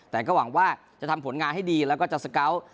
แต่ก็หวังว่าจะทำผลงานให้ดีแล้วก็จะสเกาะ